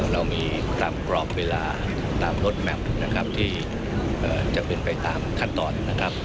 เรามีตามกรอบเวลาตามรถแมพนะครับที่จะเป็นไปตามขั้นตอนนะครับ